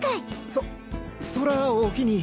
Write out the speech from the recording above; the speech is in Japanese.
そそらおきに。